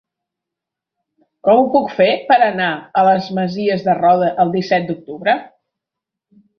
Com ho puc fer per anar a les Masies de Roda el disset d'octubre?